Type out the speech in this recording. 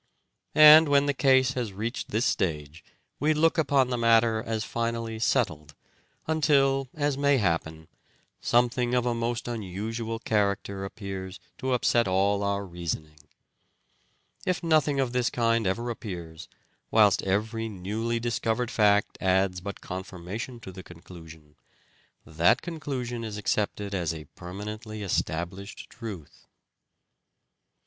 And when the case has reached this stage we look upon the matter as finally settled, until, as may happen, something of a most unusual character appears to upset all our reasoning. If nothing of this kind ever appears, whilst every newly dis covered fact adds but confirmation to the conclusion, that conclusion is accepted as a permanently estab lished truth.